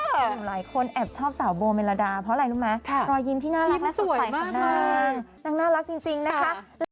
กันเออหลายคนแอบชอบสาวโบเมลดาเพราะอะไรรู้ไหมค่ะรอยยิ้มที่น่ารักยิ้มสวยมากมากน่ารักจริงจริงนะคะ